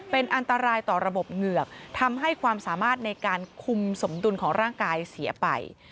เป็นอันตรายต่อระบบเหงือกทำให้ความสามารถในการคุมสมดุลของร่างกายเสียไป